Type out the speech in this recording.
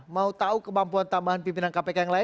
mau tahu kemampuan tambahan pimpinan kpk yang lain